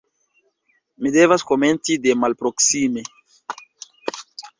Mi devas komenci de malproksime.